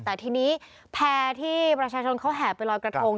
แต่ทีนี้แพร่ที่ประชาชนเขาแห่ไปลอยกระทง